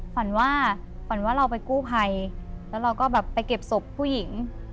ฝันว่าฝันว่าเราไปกู้ภัยแล้วเราก็แบบไปเก็บศพผู้หญิง